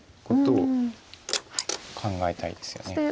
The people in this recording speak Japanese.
ことを考えたいですよね。